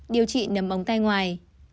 điều trị nấm ống tay ngoài